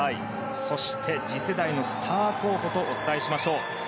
そして次世代のスター候補とお伝えしましょう。